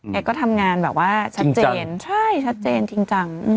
แกก็ทำงานแบบว่าชัดเจนใช่ชัดเจนจริงจัง